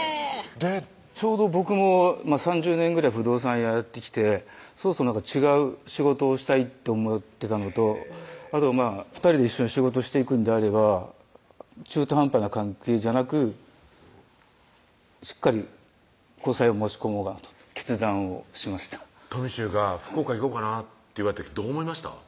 ちょうど僕も３０年ぐらい不動産屋やってきてそろそろ違う仕事をしたいって思ってたのとあと２人で一緒に仕事していくんであれば中途半端な関係じゃなくしっかり交際を申し込もうかなと決断をしましたとみしゅうが「福岡行こうかな」と言われた時どう思いました？